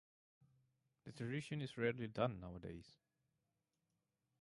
The tradition is rarely done nowadays.